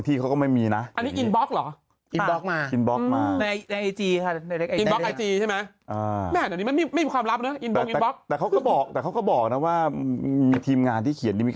ที่เข้มงวดมากกว่าเดิม